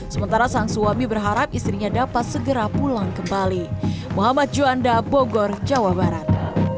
sementara sang suami berharap istrinya dapat segera pulang kembali muhammad juanda bogor jawa barat